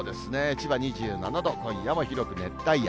千葉２７度、今夜も広く熱帯夜。